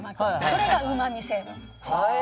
これがうまみ成分。